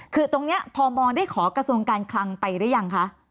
คือตรงนี้พมได้ขอกระทรวงการคลังไปหรือยังคะ